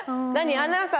アナウンサーさん